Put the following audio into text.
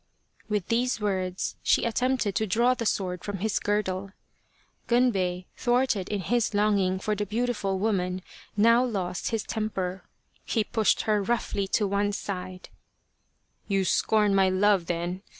With these words she attempted to draw the sword from his girdle. Gunbei, thwarted in his longing for the beautiful woman, now lost his temper. He pushed her roughly to one side :" You scorn my love then